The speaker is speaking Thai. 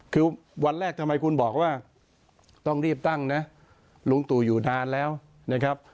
คือวันแรกทำไมคุณบอกว่าต้องรีบตั้งนะลุงตู่อยู่นานแล้วนะครับ